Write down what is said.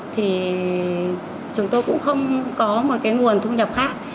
thì chúng tôi cũng không có một cái nguồn thu nhập khác